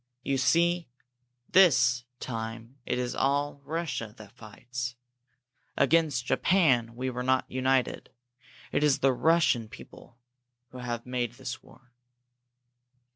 You see, this time it is all Russia that fights. Against Japan we were not united. It is the Russian people who have made this war."